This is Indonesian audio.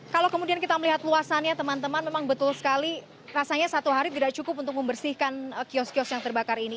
kalau kemudian kita melihat luasannya teman teman memang betul sekali rasanya satu hari tidak cukup untuk membersihkan kios kios yang terbakar ini